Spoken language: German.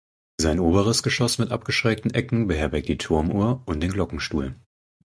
Sein oberes Geschoss mit abgeschrägten Ecken beherbergt die Turmuhr und den Glockenstuhl.